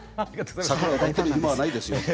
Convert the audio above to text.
桜を抱いてる暇はないですよ。